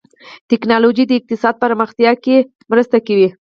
ټکنالوجي د اقتصاد پراختیا کې مرسته کوي.